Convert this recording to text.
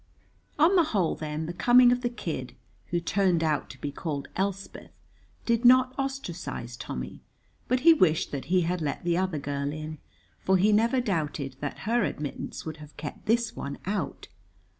On the whole, then, the coming of the kid, who turned out to be called Elspeth, did not ostracize Tommy, but he wished that he had let the other girl in, for he never doubted that her admittance would have kept this one out.